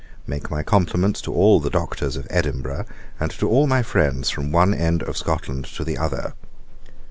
'Make my compliments to all the Doctors of Edinburgh, and to all my friends, from one end of Scotland to the other.